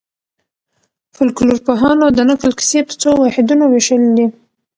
فولکلورپوهانو د نکل کیسې په څو واحدونو وېشلي دي.